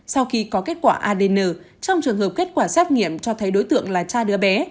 sau khi có kết quả adn trong trường hợp kết quả xét nghiệm cho thấy đối tượng là cha đứa bé